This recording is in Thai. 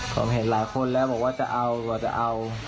ผมเห็นหลายคนแล้วบอกว่าจะเอากว่าจะเอา